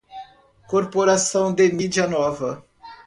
Corporação de mídia nova